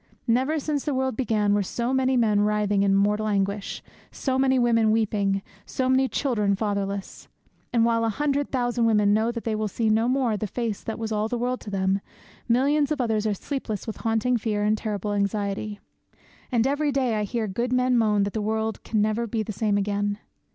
Never since the world began were so many men writhing in mortal anguish, so many women weeping, so many children fatherless. And whilst a hundred thousand women know that they will see no more the face that was all the world to them, millions of others are sleepless with haunting fear and terrible anxiety. And every day I hear good men moan that the world can never be the same again.